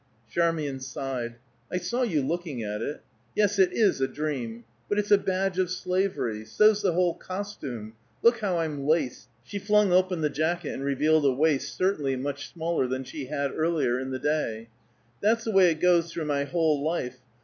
Charmian sighed. "I saw you looking at it. Yes, it is a dream. But it's a badge of slavery. So's the whole costume. Look how I'm laced!" She flung open the jacket and revealed a waist certainly much smaller than she had earlier in the day. "That's the way it goes through my whole life.